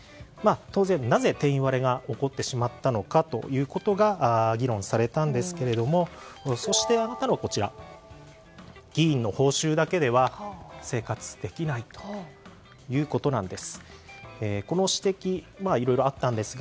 当然、なぜ定員割れが起こってしまったのかが議論されたんですがそこで挙がったのが議員の報酬だけでは生活できないということなんです。